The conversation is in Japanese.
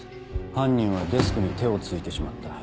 犯人はデスクに手をついてしまった。